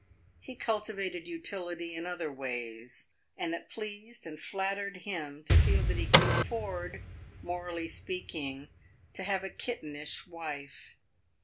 He cultivated utility in other ways, and it pleased and flattered him to feel that he could afford, morally speaking, to have a kittenish wife.